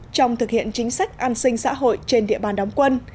trong thực hiện chính sách an sinh xã hội trên địa bàn đóng quân